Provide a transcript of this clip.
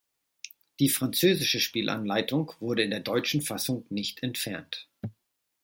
Die französische Spielanleitung wurde in der deutschen Fassung nicht entfernt.